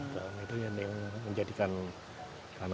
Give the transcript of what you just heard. dan itu yang menjadikan kita berpikir ya